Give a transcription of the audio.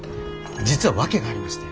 実は訳がありまして。